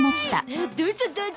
どうぞどうぞ。